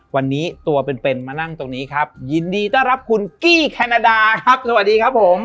วันนี้ตัวเป็นเป็นมานั่งตรงนี้ครับยินดีต้อนรับคุณกี้แคนาดาครับสวัสดีครับผม